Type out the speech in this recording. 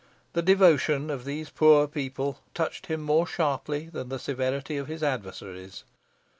The devotion of these poor people touched him more sharply than the severity of his adversaries.